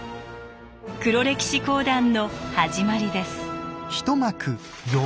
黒歴史講談の始まりです。